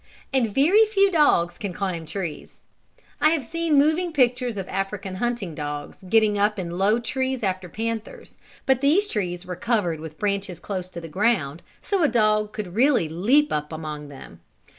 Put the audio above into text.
And very few dogs can climb trees. I have seen moving pictures of African hunting dogs getting up in low trees after panthers, but these trees were covered with branches close to the ground, so a dog could really leap up among them.